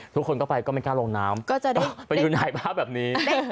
ทุกคนก็ไปก็ไม่กล้าลงน้ำไปอยู่ในภาพแบบนี้